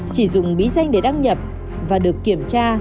chỉ dùng bí danh để đăng nhập và được kiểm tra